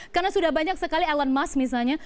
karena sudah banyak sekali elon musk misalnya